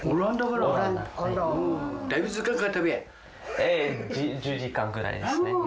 ええ１０時間くらいですね。